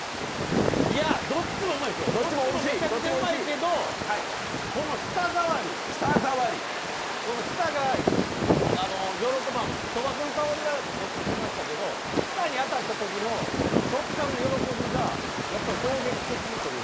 どっちもうまいですよ、どっちもめちゃくちゃうまいけど、この舌触り、そば粉の香りはどっちもしましたけど、舌に当たったときの食感の喜びが衝撃的というか。